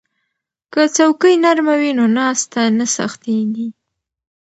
که څوکۍ نرمه وي نو ناسته نه سختیږي.